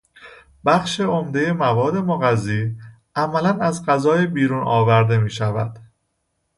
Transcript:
بخش عمدهی مواد مغذی عملا از غذا بیرون آورده میشود.